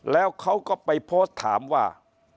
แล้วเขาก็ไปโพสต์ถามว่า